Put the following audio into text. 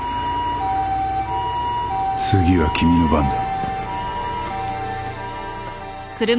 次は君の番だ。